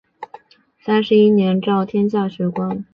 三十一年诏天下学官改授旁郡州县。